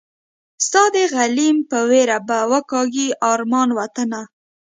ستا د غلیم په ویر به وکاږي ارمان وطنه